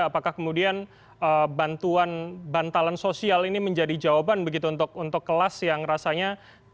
apakah kemudian bantuan bantalan sosial ini menjadi jawaban begitu untuk kelas yang rasanya